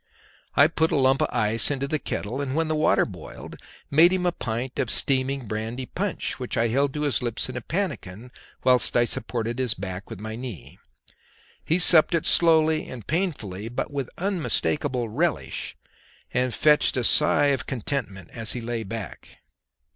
I put a lump of ice into the kettle, and when the water boiled made him a pint of steaming brandy punch, which I held to his lips in a pannikin whilst I supported his back with my knee; he supped it slowly and painfully but with unmistakable relish, and fetched a sigh of contentment as he lay back.